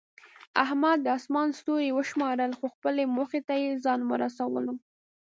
احمد د اسمان ستوري وشمارل، خو خپلې موخې ته یې ځان ورسولو.